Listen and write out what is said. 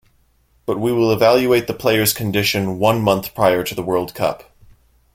But we will evaluate the player's condition one month prior to the World Cup.